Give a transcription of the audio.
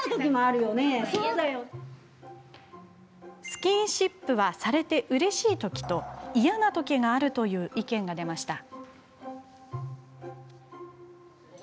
スキンシップはされてうれしいときと嫌なときがあるという意見が出ました。